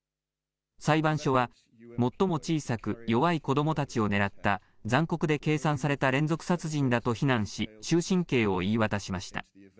裁判所は最も小さく弱い子どもたちを狙った残酷で計算された連続殺人だと非難し終身刑を言い渡しました。